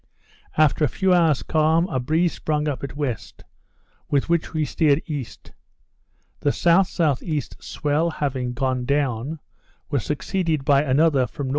After a few hours calm, a breeze sprung up at west, with which we steered east. The S.S.E. swell having gone down, was succeeded by another from N.W.